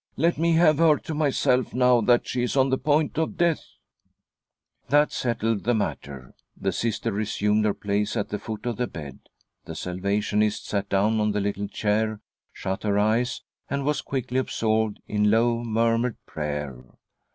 Let me have her to myself now that she is on the point of death." That settled the matter. Thg" Sister resumed her place at the foot of the bed ; the Salvationist I ■"• •Vri iriff ■ THE STORM WITHIN THE SOUL 17 sat down on the little chair, shut her eyes, and was quickly absorbed in low murmured prayer.